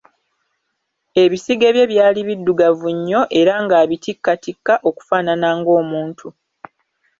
Ebisige bye byali biddugavu nnyo, era ng'abitikkatikka okufaanana ng'omuntu.